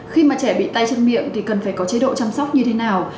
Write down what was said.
khi mà trẻ bị tay chân miệng thì cần phải có chế độ chăm sóc như thế nào